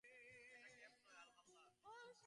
এটা কেপ নয়, আলখাল্লা।